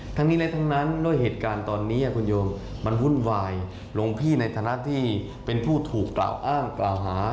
ทั้งนี้และทั้งนั้นด้วยเหตุการณ์ตอนนี้คุณโยมมันวุ่นวายหลวงพี่ในฐานะที่เป็นผู้ถูกกล่าวอ้างกล่าวหา